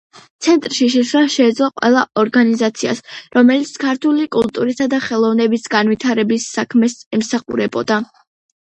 ცენტრში შესვლა შეეძლო ყველა ორგანიზაციას, რომელიც ქართული კულტურისა და ხელოვნების განვითარების საქმეს ემსახურებოდა.